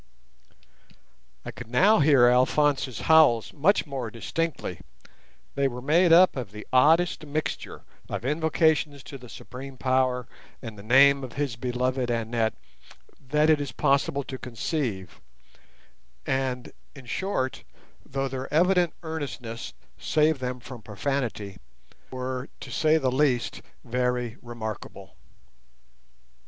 I could now hear Alphonse's howls much more distinctly; they were made up of the oddest mixture of invocations to the Supreme Power and the name of his beloved Annette that it is possible to conceive; and, in short, though their evident earnestness saved them from profanity, were, to say the least, very remarkable.